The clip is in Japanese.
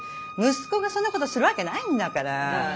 息子がそんなことするわけないんだから。